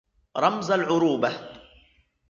رَمْزَ الْعُرُوبَة